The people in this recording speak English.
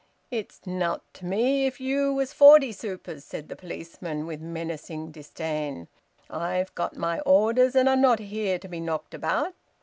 "It's nowt to me if ye was forty Supers," said the policeman, with menacing disdain. "I've got my orders, and I'm not here to be knocked about.